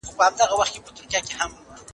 تعلیم ممکن دی.